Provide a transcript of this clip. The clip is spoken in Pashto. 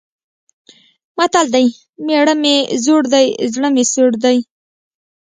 متل دی: مېړه مې زوړ دی، زړه مې سوړ دی.